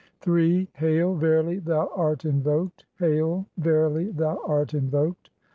III. "[Hail, verily thou art invoked ; hail, verily thou art in "voked.